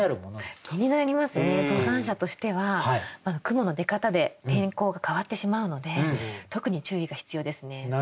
雲の出方で天候が変わってしまうので特に注意が必要ですね。